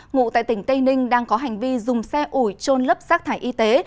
ngụ tại tỉnh tây ninh đang có hành vi dùng xe ủi trôn lấp rác thải y tế